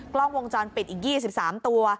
กล้องวงจรปิดอีก๒๓ตัว